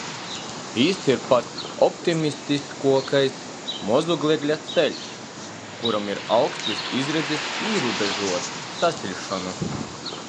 Jis ir pats optimistiskuokais, mozūglekļa ceļš, kuram ir augstys izredzis īrūbežuot sasiļšonu.